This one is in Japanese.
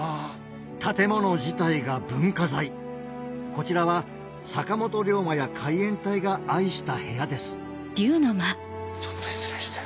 建物自体が文化財こちらは坂本龍馬や海援隊が愛した部屋ですちょっと失礼して。